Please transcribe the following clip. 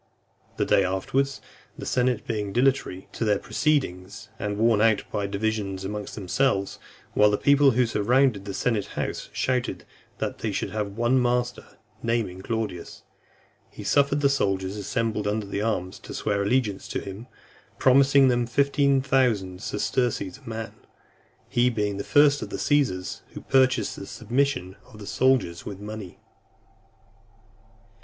The day afterwards, the senate being dilatory in their proceedings, and worn out by divisions amongst themselves, while the people who surrounded the senate house shouted that they would have one master, naming Claudius, he suffered the soldiers assembled under arms to swear allegiance to him, promising them fifteen thousand sesterces a man; he being the first of the Caesars who purchased the submission of the soldiers with money.